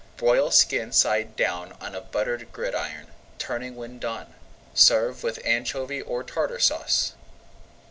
Broil skin side down on a buttered gridiron, turning when done. Serve with Anchovy or Tartar Sauce.